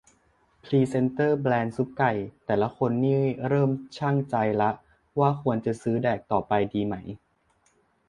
"พรีเซ็นเตอร์แบรนด์ซุปไก่แต่ละคนนี่ เริ่มชั่งใจละว่าควรจะซื้อแดกต่อไปดีไหม"